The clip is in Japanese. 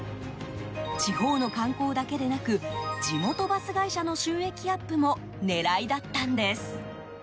地方の観光だけでなく地元バス会社の収益アップも狙いだったんです。